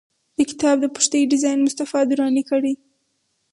د کتاب د پښتۍ ډیزاین مصطفی دراني کړی دی.